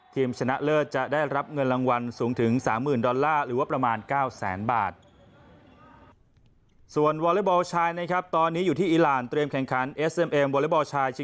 ทีมชนะเลิศจะได้รับเงินรางวัลสูงถึง๓๐๐๐๐ดอลลาร์